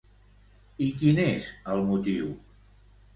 I quin és el motiu?